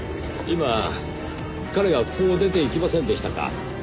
今彼がここを出ていきませんでしたか？